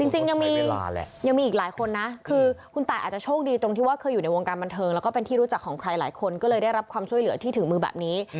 จริงยังมีอีกหลายคนนะคือคุณตายอาจจะโชคดีตรงที่ว่าเคยอยู่ในวงการบันเทิงแล้วก็เป็นที่รู้จักของใครหลายคนก็เลยได้รับความช่วยเหลือที่ถึงมือแบบนี้